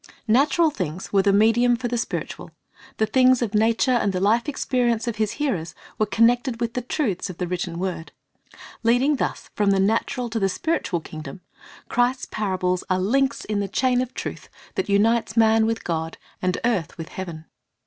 ^ Natural things were the medium for the spiritual ; the things of nature and the life experience of His hearers were connected with the truths of the written word. Leading thus from the natural to the spiritual kingdom, Christ's parables are links in the chain 2 'Matt. 13:34,35 (17) Christ's O bj e c t L e s s on s m.^ of truth that unites man with God, and earth with heaven.